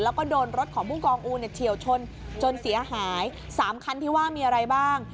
แล้วก็โดนรถของผู้กองอูเฉียวชนจนเสียหาย๓คันที่ว่ามีอะไรบ้าง